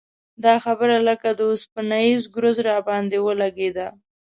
دا خبره لکه د اوسپنیز ګرز راباندې ولګېده.